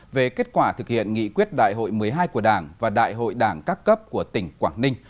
về kết quả thực hiện nghị quyết đại hội một mươi hai của đảng và đại hội đảng các cấp của tỉnh quảng ninh